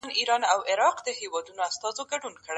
ته د انصاف تمه لا څنګه لرې؟